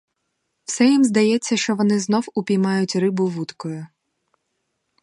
Все їм здається, що вони знов упіймають рибу вудкою.